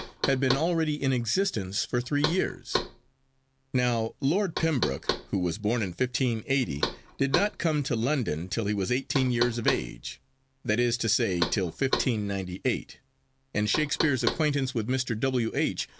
had been already in existence for three years. Now Lord Pembroke, who was born in 1580, did not come to London till he was eighteen years of age, that is to say till 1598, and Shakespeare's acquaintance with Mr. W. H.